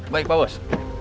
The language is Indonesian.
baik pak bos